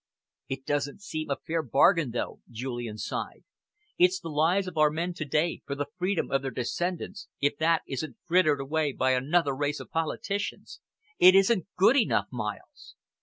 "It doesn't seem a fair bargain, though," Julian sighed. "It's the lives of our men to day for the freedom of their descendants, if that isn't frittered away by another race of politicians. It isn't good enough, Miles."